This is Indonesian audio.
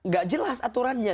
gak jelas aturannya